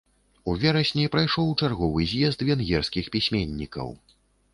У верасні прайшоў чарговы з'езд венгерскіх пісьменнікаў.